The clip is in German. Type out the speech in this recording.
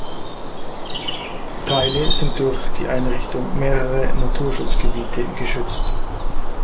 Teile sind durch die Einrichtung mehrerer Naturschutzgebiete geschützt.